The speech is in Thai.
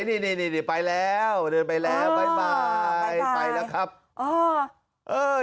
นี่ไปแล้วเดินไปแล้วบาย